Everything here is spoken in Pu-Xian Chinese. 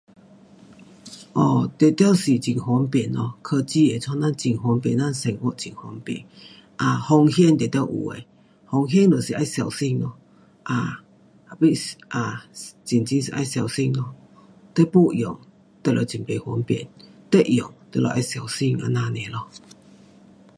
um 定然会很方便咯，科技会弄咱很方便，咱生活很方便，啊，风险一定有的，风险就是要小心，啊，真真是要小心，你没用你就很不方便，你用你得要小心，这样 nia 咯。